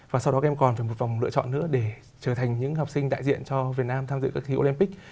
và sau đó các em còn phải một vòng lựa chọn nữa để trở thành những học sinh đại diện cho việt nam tham dự các thi olympic